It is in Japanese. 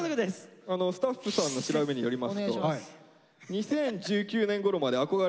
スタッフさんの調べによりますと。